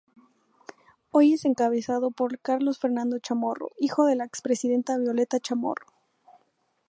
Hoy es encabezado por Carlos Fernando Chamorro, hijo de la expresidenta Violeta Chamorro.